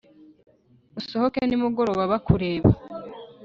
usohoke nimugoroba bakureba